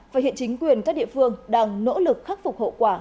và hiện chính quyền các địa phương đang nỗ lực khắc phục hậu quả